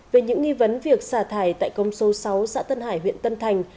về những nghi vấn việc xả thải tại công số sáu xã tân hải huyện tân thành